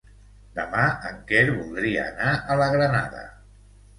Demà en Quer voldria anar a la Granada.